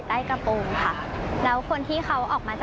ฟังเสียงของนักศึกษาหญิงเล่าเรื่องนี้ให้ฟังหน่อยครับ